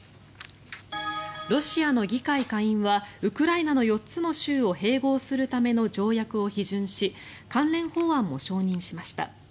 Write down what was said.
ロシアの議会下院はウクライナの４つの州を併合するための条約を批准し関連法案も承認しました。